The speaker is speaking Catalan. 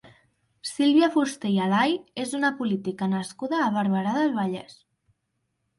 Sílvia Fuster i Alay és una política nascuda a Barberà del Vallès.